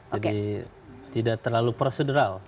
jadi tidak terlalu prosedural